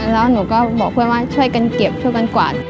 แล้วหนูก็บอกเพื่อนว่าช่วยกันเก็บช่วยกันกวาด